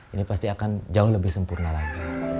ini pasti akan jauh lebih sempurna lagi